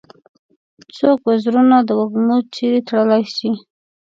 څوک وزرونه د وږمو چیري تړلای شي؟